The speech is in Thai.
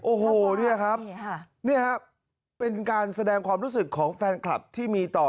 โอ้โหนี่ครับนี่ครับเป็นการแสดงความรู้สึกของแฟนคลับที่มีต่อ